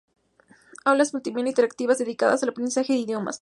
Aulas multimedia interactivas, dedicadas al aprendizaje de Idiomas.